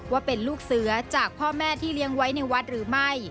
ว่าเป็นลูกเสือจากพ่อแม่ที่เลี้ยงไว้ในวัดหรือไม่